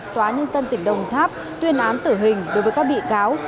tòa nhân dân tỉnh đồng tháp tuyên án tử hình đối với các bị cáo